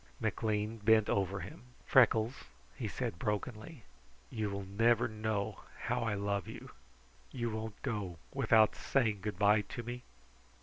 McLean bent over him. "Freckles," he said brokenly, "you will never know how I love you. You won't go without saying good bye to me?"